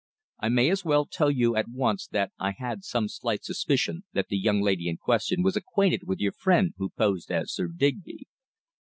"I may as well tell you at once that I had some slight suspicion that the young lady in question was acquainted with your friend who posed as Sir Digby."